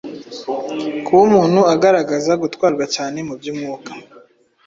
Kuba umuntu agaragaza gutwarwa cyane mu by’umwuka